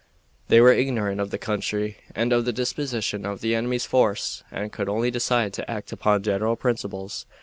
They were ignorant of the country and of the disposition of the enemy's force, and could only decide to act upon general principles.